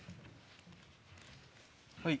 はい。